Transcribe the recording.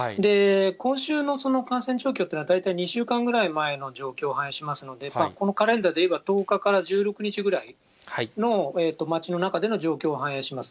今週の感染状況というのは大体２週間ぐらい前の状況を反映しますので、このカレンダーでいえば１０日から１６日ぐらいの街の中での状況を反映します。